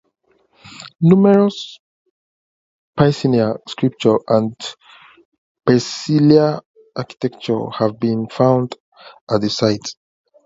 Numerous piscine sculptures and peculiar architecture have been found at the site.